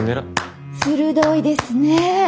鋭いですね。